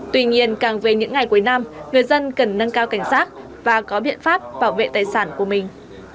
tuy nhiên càng về những ngày cuối năm người dân cần nâng cao cảnh sát và có biện pháp bảo vệ tài sản của mình